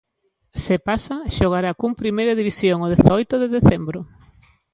Se pasa, xogará cun Primeira División o dezaoito de decembro.